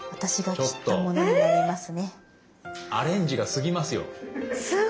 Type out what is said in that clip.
ちょっとアレンジが過ぎますよ。